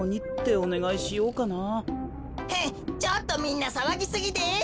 ちょっとみんなさわぎすぎです！